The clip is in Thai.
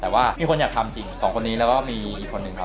แต่ว่ามีคนอยากทำจริงสองคนนี้แล้วก็มีอีกคนนึงครับ